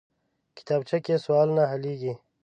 کتابچه کې سوالونه حلېږي